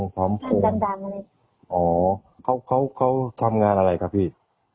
ก็ดั่งอ่อเขาเขาเขาทำงานอะไรครับพี่